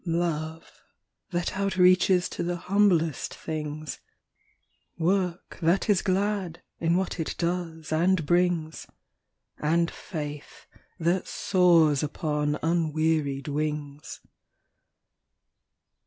Love, that outreaches to the humblest things; Work that is glad, in what it does and brings; And faith that soars upon unwearied wings.